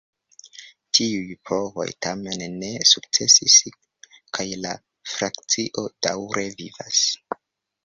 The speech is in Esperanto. Tiuj provoj tamen ne sukcesis, kaj la frakcio daŭre vivas.